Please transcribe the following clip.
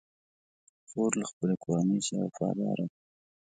خور له خپلې کورنۍ سره وفاداره ده.